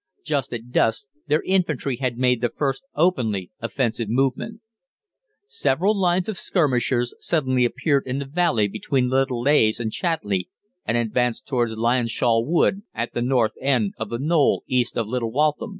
Just at dusk their infantry had made the first openly offensive movement. "Several lines of skirmishers suddenly appeared in the valley between Little Leighs and Chatley, and advanced towards Lyonshall Wood, at the north end of the knoll east of Little Waltham.